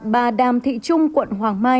bà đàm thị trung quận hoàng mã